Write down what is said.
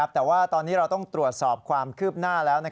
แต่ว่าตอนนี้เราต้องตรวจสอบความคืบหน้าแล้ว